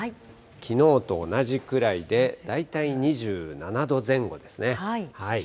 きのうと同じくらいで、大体２７度前後ですね。